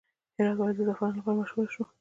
هرات ولې د زعفرانو لپاره مشهور شو؟